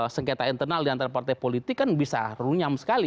sekretar internal diantara partai politik kan bisa runyam sekali